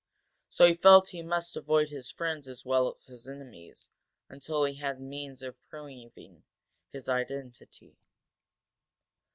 So he felt he must avoid his friends as well as his enemies until he had means of proving his identity.